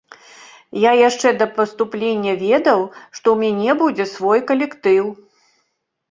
Я яшчэ да паступлення ведаў, што ў мяне будзе свой калектыў.